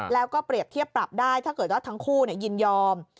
แล้วก็เปรียบเทียบปรับได้ถ้าทั้งคู่นี่ยินยอม